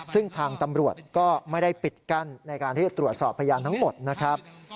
ซึ่งทางตำรวจก็ไม่ได้ปิดกั้นในการที่จะตรวจสอบพยานทั้งหมดนะครับ